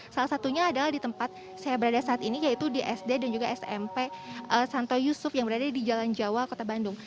salah satunya adalah di tempat saya berada saat ini yaitu di sd dan juga smp santo yusuf yang berada di jalan jawa kota bandung